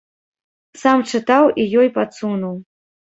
Сам чытаў і ёй падсунуў.